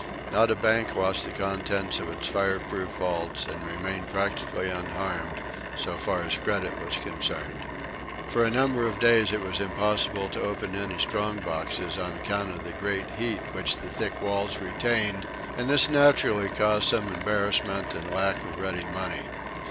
Not a bank lost the contents of its fireproof vaults and remained practically unharmed, so far as credit was concerned. For a number of days it was impossible to open any strong boxes on account of the great heat which the thick walls retained, and this naturally caused some embarrassment and lack of ready money.